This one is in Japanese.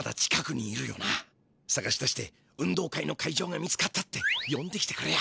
さがし出して運動会の会場が見つかったってよんできてくれよ。